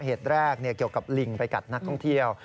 เหตุแรกเกี่ยวกับลิงไปกัดนักท่องเที่ยว